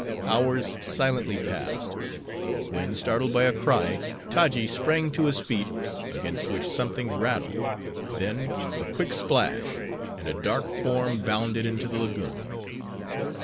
Hours silently passed. When startled by a cry, Taji sprang to his feet; against which something rattled; then, a quick splash! and a dark form bounded into the lagoon.